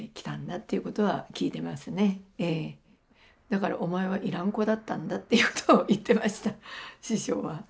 だからお前は要らん子だったんだっていうことを言ってました師匠は。